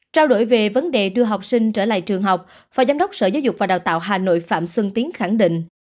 trao đổi về vấn đề đưa học sinh trở lại trường học phó giám đốc sở giáo dục và đào tạo hà nội phạm xuân tiến khẳng định